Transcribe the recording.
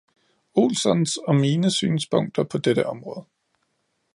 Olssons og mine synspunkter på dette område.